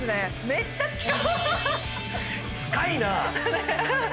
めっちゃ近っ！